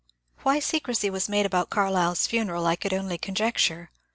Why secrecy was made about Carlyle's funeral I could only conjecture.